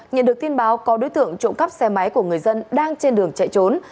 nhận được tin báo có đối tượng trộm cắp xe máy của người dân đang trên đường chạy trốn